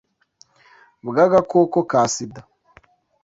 bw agakoko ka sida